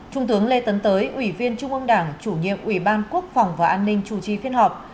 trung tướng lê tấn tới ủy viên trung ương đảng chủ nhiệm ủy ban quốc phòng và an ninh chủ trì phiên họp